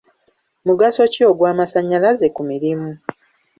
Mugaso ki ogw'amasannyalaze ku mirimu?